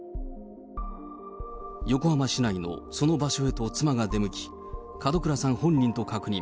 横浜市内のその場所へと妻が出向き、門倉さん本人と確認。